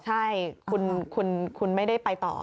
ใช่คุณไม่ได้ไปต่อ